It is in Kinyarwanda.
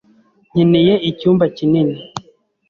Nkeneye icyumba kinini.